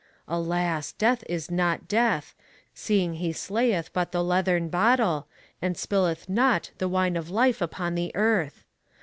Alas! death is not death, seeing he slayeth but the leathern bottle, and spilleth not the wine of life upon the earth.